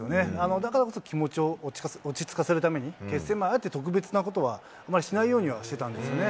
だからこそ気持ちを落ち着かせるために、決戦前、あえて特別なことはあまりしないようにはしてたんですね。